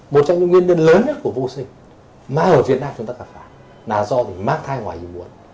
một trong những nguyên nhân lớn nhất của vô sinh mà ở việt nam chúng ta gặp phải là do mắc thai ngoài dù buồn